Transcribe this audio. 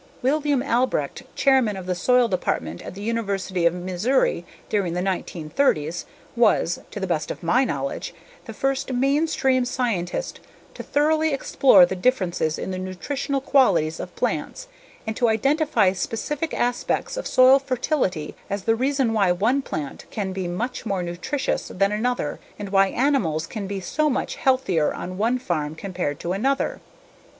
William Albrecht, chairman of the Soil Department at the University of Missouri during the 1930s, was, to the best of my knowledge, the first mainstream scientist to thoroughly explore the differences in the nutritional qualities of plants and to identify specific aspects of soil fertility as the reason why one plant can be much more nutritious than another and why animals can be so much healthier on one farm compared to another.